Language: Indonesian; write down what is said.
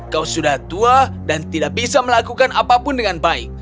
kau sudah tua dan tidak bisa melakukan apapun dengan baik